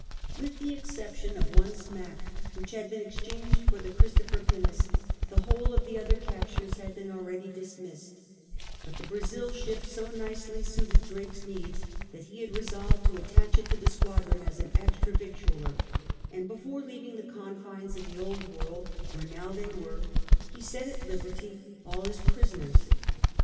Witii the exception of one smack which had been exchanged for the Ch/rktopher pinnace, the whole of the other captures had been already dismissed ; but the Brazil ship so nicely suited Drake's needs that he had resolved to attach it to the' squadron as an extra victualler, and before leaving the confines of the Old World, where now they were, he set at liberty all his prisoners.